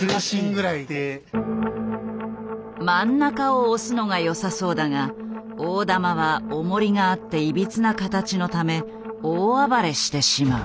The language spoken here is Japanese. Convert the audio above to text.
真ん中を押すのが良さそうだが大玉はおもりがあっていびつな形のため大暴れしてしまう。